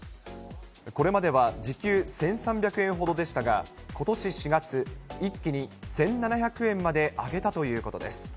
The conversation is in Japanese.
これまでは時給１３００円ほどでしたが、ことし４月、一気に１７００円まで上げたということです。